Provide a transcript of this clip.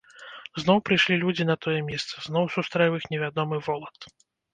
Зноў прыйшлі людзі на тое месца, зноў сустрэў іх невядомы волат.